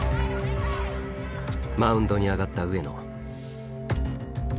マウンドに上がった上野。